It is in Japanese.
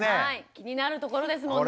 気になるところですもんね。